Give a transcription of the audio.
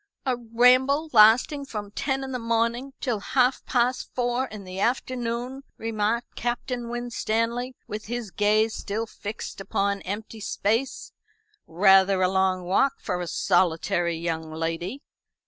"A ramble lasting from ten in the morning till half past four in the afternoon," remarked Captain Winstanley, with his gaze still fixed upon empty space. "Rather a long walk for a solitary young lady."